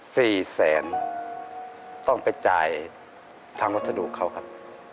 ๔๐๐๐บาทต้องไปจ่ายทางรสดุเขาครับ